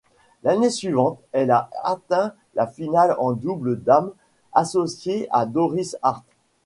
L'année suivante, elle a atteint la finale en double dames, associée à Doris Hart.